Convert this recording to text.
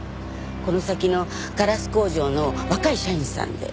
この先のガラス工場の若い社員さんで。